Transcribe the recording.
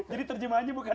jadi terjemahannya bukan